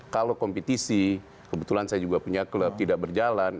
kalau kompetisi kebetulan saya juga punya klub tidak berjalan